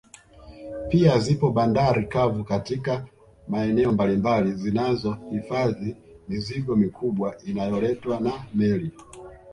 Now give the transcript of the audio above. Pia zipo bandari kavu katika maeneo mbalimbali zinazo hifadhi mizigo mikubwa inayoletwa na meli